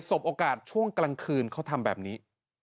บโอกาสช่วงกลางคืนเขาทำแบบนี้